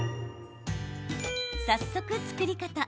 早速、作り方。